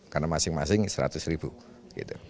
karena masing masing seratus ribu gitu